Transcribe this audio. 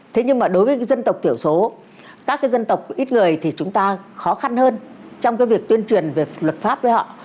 thế nhưng mà đối với dân tộc thiểu số các dân tộc ít người thì chúng ta khó khăn hơn trong cái việc tuyên truyền về luật pháp với họ